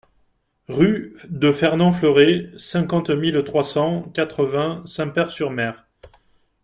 Rue de Fernand Fleuret, cinquante mille trois cent quatre-vingts Saint-Pair-sur-Mer